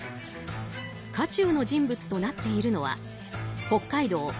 渦中の人物となっているのは北海道